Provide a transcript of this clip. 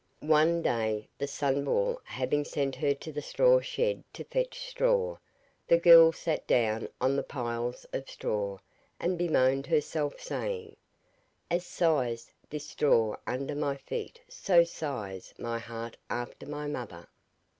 One day, the Sunball having sent her to the straw shed to fetch straw, the girl sat down on the piles of straw and bemoaned herself, saying: 'As sighs this straw under my feet so sighs my heart after my mother.